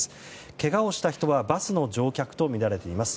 けがをした人はバスの乗客とみられています。